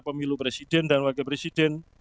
pemilu presiden dan wakil presiden